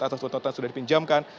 atau tuntutan tuntutan sudah dipinjamkan